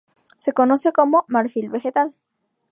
Se conoce como "marfil vegetal".